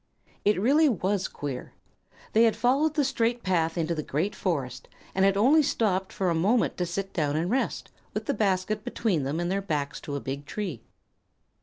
It really was queer. They had followed the straight path into the great forest, and had only stopped for a moment to sit down and rest, with the basket between them and their backs to a big tree.